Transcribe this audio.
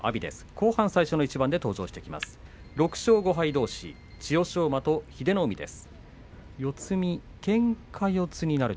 後半の最初の一番で、登場してきます。